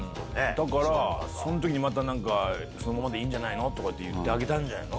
だからその時に「そのままでいいじゃないの」とか言ってあげたんじゃないの？